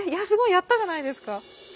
やったじゃないですか。